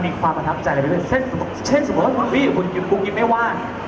รู้ว่าสรุปนักกินคุณคุณคิดไม่ว่าง